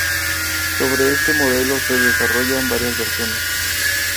Sobre este modelo se desarrollaron varias versiones.